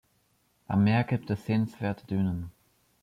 Am Meer gibt es sehenswerte Dünen.